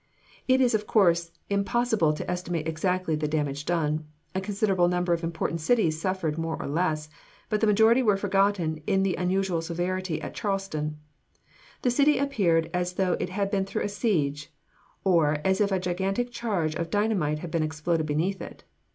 It is of course impossible to estimate exactly the damage done. A considerable number of important cities [Illustration: CHARLESTON, S. C.] suffered more or less; but the majority were forgotten in the unusual severity at Charleston. The city appeared as though it had been through a siege, or as if a gigantic charge of dynamite had been exploded beneath it.